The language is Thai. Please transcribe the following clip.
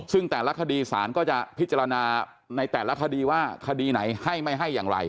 ซึ่งแต่ละคดีศาลก็จะพิจารณาในแต่ละคดีว่าคดีไหนให้ไม่ให้อย่างไร